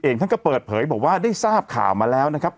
ท่านก็เปิดเผยบอกว่าได้ทราบข่าวมาแล้วนะครับ